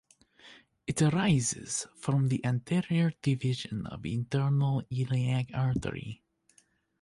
It arises from the anterior division of internal iliac artery.